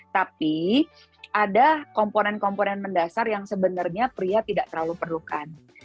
tapi ada komponen komponen mendasar yang sebenarnya pria tidak terlalu perlukan